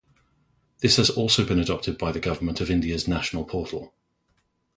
This has also been adopted by the Government of India's national portal.